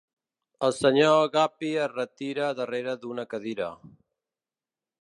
El Sr. Guppy es retira a darrere d'una cadira.